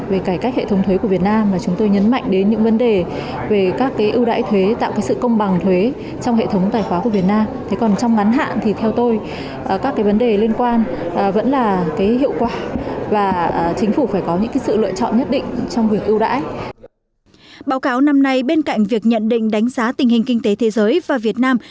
báo cáo năm nay bên cạnh việc nhận định đánh giá tình hình kinh tế thế giới và việt nam